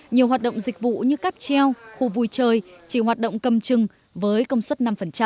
nhiều hoạt động dịch vụ như cáp treo khu vui chơi chỉ hoạt động cầm chừng với công suất năm